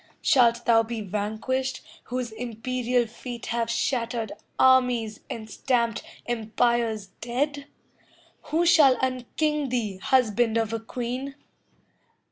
Shalt thou be vanquished, whose imperial feet Have shattered armies and stamped empires dead? Who shall unking thee, husband of a queen?